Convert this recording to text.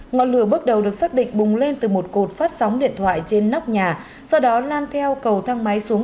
ngọn lửa bước đầu được xác định bùng lên từ một cột phát sóng điện thoại trên nóc nhà sau đó lan theo cầu thang máy xuống